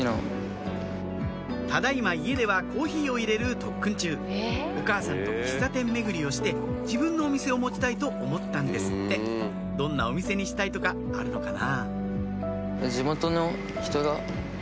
ただ今家ではコーヒーを入れる特訓中お母さんと喫茶店巡りをして自分のお店を持ちたいと思ったんですってどんなお店にしたいとかあるのかな？